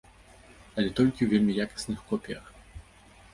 Але толькі ў вельмі якасных копіях.